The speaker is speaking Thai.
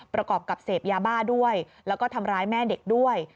ประกอบกับเสพยาบ้าด้วยแล้วก็ทำร้ายแม่เด็กด้วย